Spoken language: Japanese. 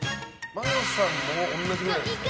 麻世さんも同じくらいですか。